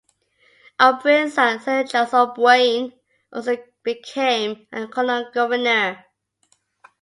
O'Brien's son, Sir Charles O'Brien, also became a colonial governor.